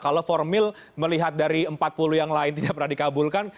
ini adalah satu formil melihat dari empat puluh yang lain tidak pernah dikabulkan